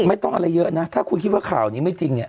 ไม่ต้องอะไรเยอะนะถ้าคุณคิดว่าข่าวนี้ไม่จริงเนี่ย